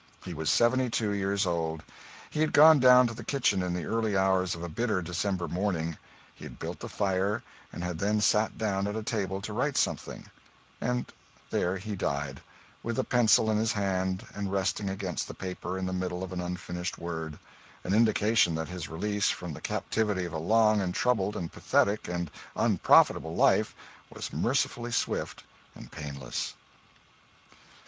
He was seventy two years old. He had gone down to the kitchen in the early hours of a bitter December morning; he had built the fire, and had then sat down at a table to write something; and there he died, with the pencil in his hand and resting against the paper in the middle of an unfinished word an indication that his release from the captivity of a long and troubled and pathetic and unprofitable life was mercifully swift and painless.